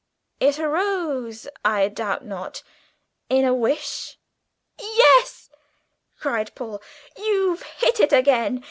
It arose, I doubt not, in a wish?" "Yes," cried Paul, "you've hit it again.